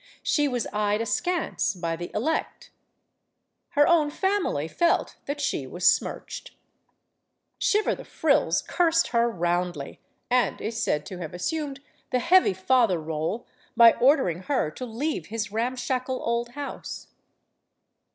She was eyed askance by the elect. Her own family felt that she was smirched. Shiver the Frills cursed her roundly, and is said to have assumed the heavy father role by ordering her to "THE MOST GORGEOUS LADY BLESSINGTON" 209 leave his ramshackle old house.